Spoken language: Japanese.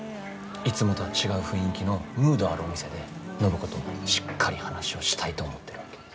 いつもとは違う雰囲気のムードあるお店で暢子としっかり話をしたいと思ってるわけ。